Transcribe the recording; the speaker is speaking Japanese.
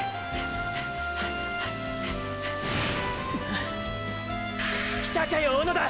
っ⁉来たかよ小野田！